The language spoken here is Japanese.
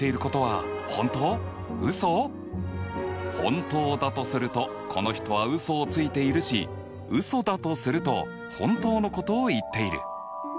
本当だとするとこの人はウソをついているしウソだとすると本当のことを言っている。